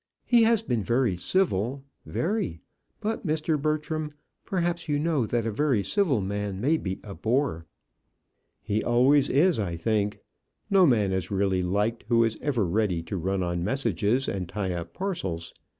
He has been very civil, very; but, Mr. Bertram, perhaps you know that a very civil man may be a bore." "He always is, I think. No man is really liked who is ever ready to run on messages and tie up parcels.